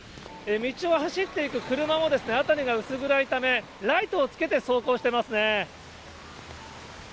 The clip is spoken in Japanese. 道を走っていく車も、辺りが薄暗いため、ライトをつけて走行してますね。